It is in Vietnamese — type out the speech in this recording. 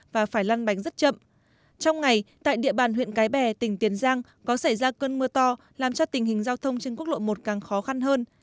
và phải lăng bánh rất chậm trong ngày tại địa bàn huyện cái bè tỉnh tiền giang có xảy ra cơn mưa to làm cho tình hình giao thông trên quốc lộ một càng khó khăn hơn